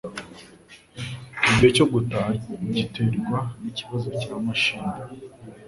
Igihe cyo gutaha giterwa nikibazo cya mashini.